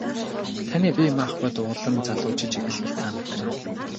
Таны бие махбод улам залуужиж эхлэхийг та мэдэрнэ.